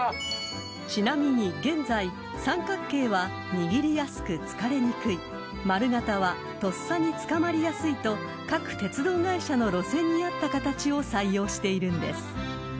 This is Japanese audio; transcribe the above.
［ちなみに現在三角形は握りやすく疲れにくい丸形はとっさにつかまりやすいと各鉄道会社の路線に合った形を採用しているんです］